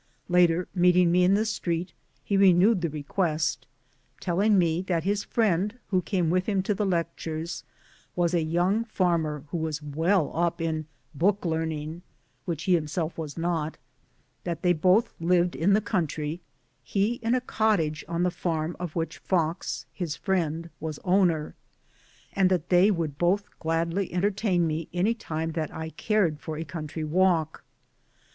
Later, meeting me in the street, he renewed the request, telling me that his friend who came with' him to the lectures was a young farmer who was well up in * book learning ' (which he himself was not) that they both lived in the country, he in a cottage on the farm 1 of which Fox, his friend, was owner ; and that they would both gladly entertain me any time that I cared for a country walk.